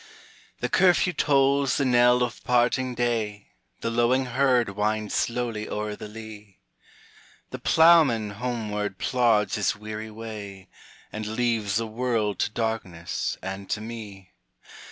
The curfew tolls the knell of parting day, The lowing herd wind slowly o'er the lea, The ploughman homeward plods his weary way, And leaves the world to darkness and to me.